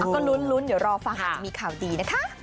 จริงหรอก็ลุ้นเดี๋ยวรอฟังหากจะมีข่าวดีนะคะ